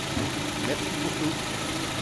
Merci pour tout.